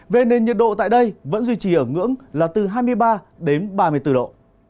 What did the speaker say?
về nền nhiệt độ tại đây vẫn duy trì ở ngưỡng là từ hai mươi ba đến ba mươi bốn độ